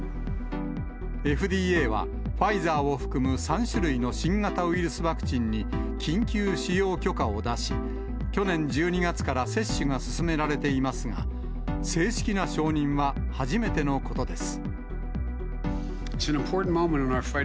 ＦＤＡは、ファイザーを含む３種類の新型ウイルスワクチンに、緊急使用許可を出し、去年１２月から接種が進められていますが、正式な承認は初めてのことです。